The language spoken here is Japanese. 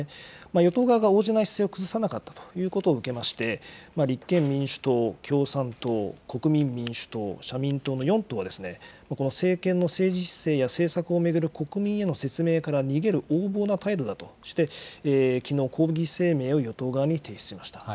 与党側が応じない姿勢を崩さなかったということを受けまして、立憲民主党、共産党、国民民主党、社民党の４党は、政権の政治姿勢や政策を巡る国民への説明から逃げる横暴な態度だとして、きのう、抗議声明を与党側に提出しました。